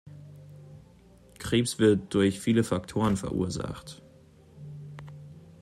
Krebs wird durch viele Faktoren verursacht.